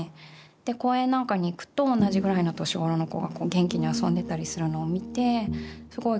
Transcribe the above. で公園なんかに行くと同じぐらいの年頃の子がこう元気に遊んでたりするのを見てすごい